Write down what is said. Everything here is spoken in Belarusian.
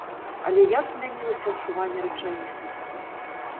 Але як змянілася адчуванне рэчаіснасці!